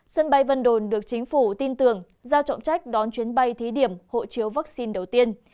sân bay vân đồn được chính phủ tin tưởng giao trọng trách đón chuyến bay thí điểm hộ chiếu vaccine đầu tiên